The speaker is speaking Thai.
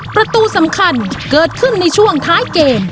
ประตูสำคัญเกิดขึ้นในช่วงท้ายเกม